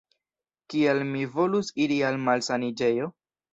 Kial mi volus iri al malsaniĝejo?